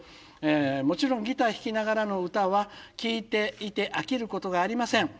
「もちろんギター弾きながらの歌は聴いていて飽きることがありません。